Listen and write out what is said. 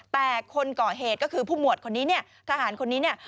แต่คนก่อเหตุก็คือผู้หมวดทหารคนนี้